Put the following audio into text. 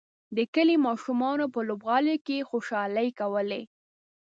د کلي ماشومانو په لوبغالي کې خوشحالۍ کولې.